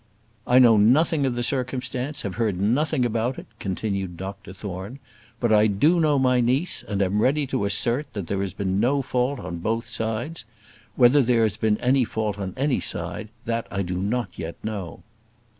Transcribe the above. "I know nothing of the circumstance; have heard nothing about it," continued Dr Thorne; "but I do know my niece, and am ready to assert that there has not been fault on both sides. Whether there has been any fault on any side, that I do not yet know."